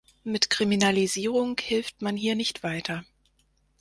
Mit Kriminalisierung hilft man hier nicht weiter.